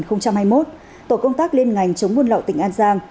tổng công tác liên ngành chống buôn lậu tỉnh an giang